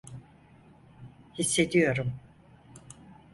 Hissediyorum.